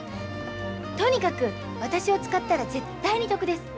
とにかく私を使ったら絶対に得です。